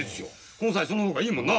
この際その方がいいもんな。